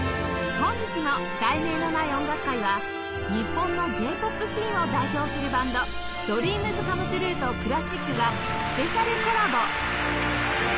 本日の『題名のない音楽会』は日本の Ｊ ー ＰＯＰ シーンを代表するバンド ＤＲＥＡＭＳＣＯＭＥＴＲＵＥ とクラシックがスペシャルコラボ